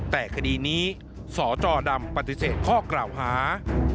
แต่คดีนี้สจดำปฏิเสธข้อกล่าวหา